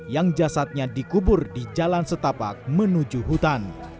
yang jasadnya dikubur di jalan setapak menuju hutan